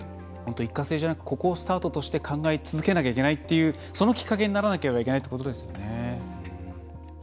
一過性じゃなくここをスタートとして考え続けなきゃいけないっていうそのきっかけにならなければいけないってことですよね。